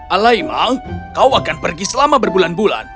alaima kau akan pergi selama berbulan bulan